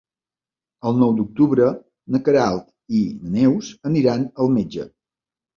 El nou d'octubre na Queralt i na Neus aniran al metge.